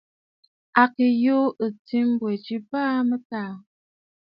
À kɨ̀ yùû ɨ̀tǐ mbwɛ̀ ji baa a mɨtaa.